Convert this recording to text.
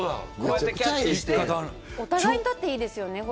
お互いにとっていいですよね。